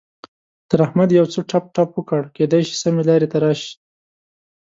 تر احمد يو څه ټپ ټپ وکړه؛ کېدای شي سمې لارې ته راشي.